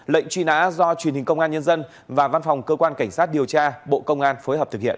lệnh truy nã do truyền hình công an nhân dân và văn phòng cơ quan cảnh sát điều tra bộ công an phối hợp thực hiện